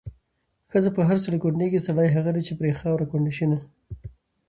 ښځه په هر سړي کونډيږي، سړی هغه دی چې پرې خاوره کونډه شينه